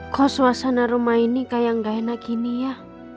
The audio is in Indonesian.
kok suasana rumah ini kayak gak enak gini ya